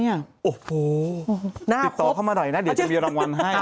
ติดต่อเข้ามาหน่อยจะมีรางวัลให้